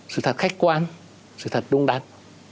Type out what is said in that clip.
sự thật khách quan sự thật đúng đắn